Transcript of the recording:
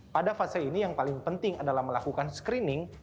pada fase ini yang paling penting adalah melakukan screening